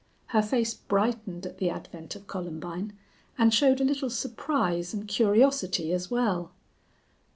Her face brightened at the advent of Columbine, and showed a little surprise and curiosity as well.